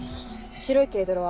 白い軽トラは？